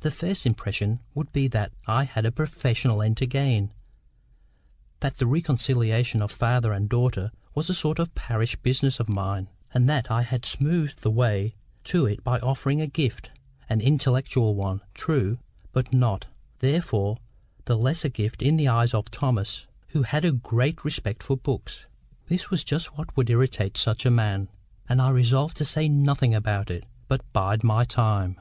The first impression would be that I had a PROFESSIONAL end to gain, that the reconciling of father and daughter was a sort of parish business of mine, and that I had smoothed the way to it by offering a gift—an intellectual one, true, but not, therefore, the less a gift in the eyes of Thomas, who had a great respect for books. This was just what would irritate such a man, and I resolved to say nothing about it, but bide my time.